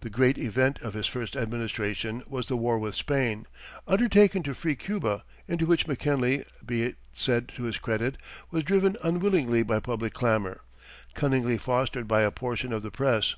The great event of his first administration was the war with Spain, undertaken to free Cuba, into which McKinley, be it said to his credit, was driven unwillingly by public clamor, cunningly fostered by a portion of the press.